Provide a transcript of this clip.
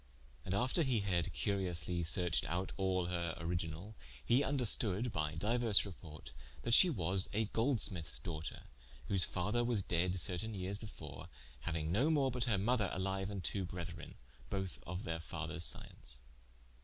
And after he had curiously searched out all her original, he vnderstoode by diuers reporte, that she was a Goldsmithes doughter, whose father was dead certaine yeares before, hauinge no more but her mother aliue, and two brethren, both of their father's science.